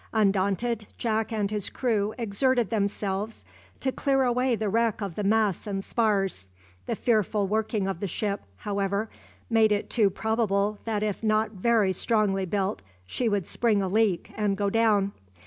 Undaunted, Jack and his crew exerted themselves to clear away the wreck of the masts and spars. The fearful working of the ship, however, made it too probable that if not very strongly built, she would spring a leak and go down.